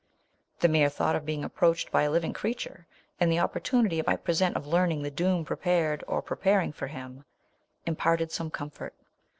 The mere thought of brin:: approached by a living crea ture," and the opportunity it might present of learning the doom prepa red, or preparing, for him, imparted prrtonio comfort.